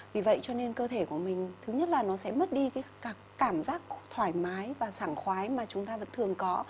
vì vậy cho nên cơ thể của mình thứ nhất là nó sẽ mất đi cảm giác thoải mái và sảng khoái mà chúng ta vẫn thường có